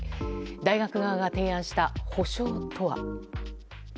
大学側が提案した補償とは。